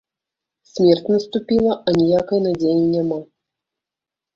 Смерць наступіла, аніякай надзеі няма.